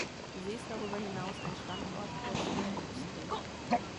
Sie ist darüber hinaus ein Standort der Schwerindustrie.